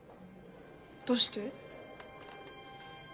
どうして？